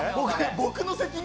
僕の責任？